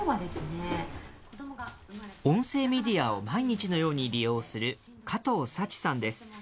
音声メディアを毎日のように利用する加藤紗知さんです。